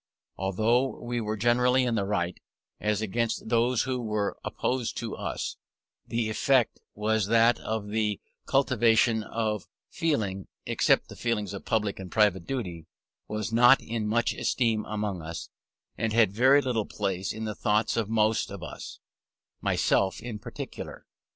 Although we were generally in the right, as against those who were opposed to us, the effect was that the cultivation of feeling (except the feelings of public and private duty) was not in much esteem among us, and had very little place in the thoughts of most of us, myself in particular.